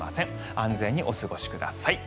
安全にお過ごしください。